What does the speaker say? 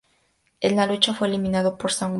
En la lucha, fue eliminado por Shawn Michaels.